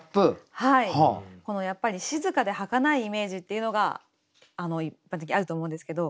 やっぱり静かではかないイメージっていうのが一般的にあると思うんですけど。